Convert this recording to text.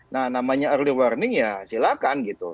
nah namanya early warning ya silakan gitu